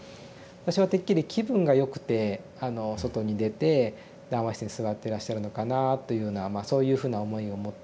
私はてっきり気分が良くて外に出て談話室に座ってらっしゃるのかなというようなそういうふうな思いを持ってですね